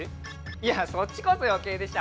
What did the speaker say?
いやそっちこそよけいでしょ。